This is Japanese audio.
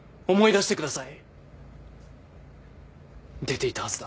出ていたはずだ。